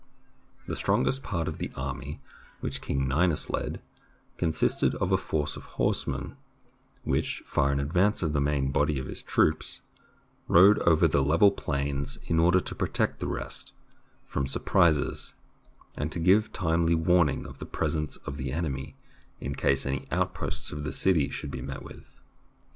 The strong est part of the army which King Ninus led con sisted of a force of horsemen, which, far in ad vance of the main body of his troops, rode over the level plains in order to protect the rest from sur prises and to give timely warning of the presence of the enemy in case any outposts of the city should be met with.